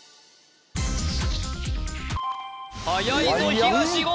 はやいぞ東言！